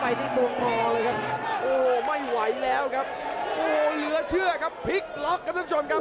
พลิกล็อกครับท่านผู้ชมครับ